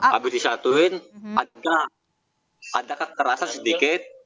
habis disatuin ada kekerasan sedikit